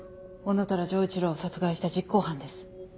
男虎丈一郎を殺害した実行犯です。